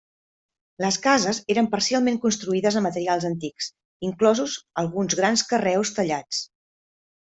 Les cases eren parcialment construïdes amb materials antics, inclosos alguns grans carreus tallats.